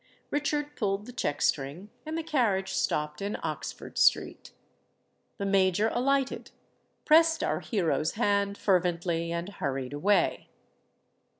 Richard pulled the check string; and the carriage stopped in Oxford Street. The Major alighted—pressed our hero's hand fervently—and hurried away.